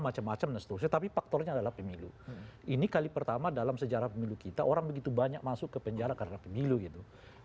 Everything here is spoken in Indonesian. macam macam dan seterusnya tapi faktornya adalah pemilu ini kali pertama dalam sejarah pemilu kita orang begitu banyak masuk ke penjara karena pemilu gitu